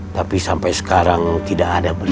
tapi sampai sekarang tidak ada